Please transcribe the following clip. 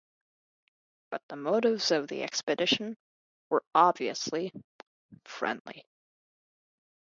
But the motives of the expedition were obviously friendly.